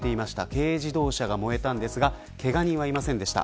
軽自動車が燃えましたがけが人はいませんでした。